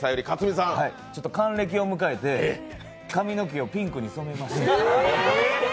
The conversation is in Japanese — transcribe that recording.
ちょっと還暦を迎えて髪の毛をピンクにされました。